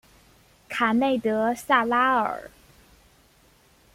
卡内德萨拉尔。